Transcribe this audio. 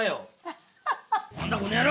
何だこの野郎！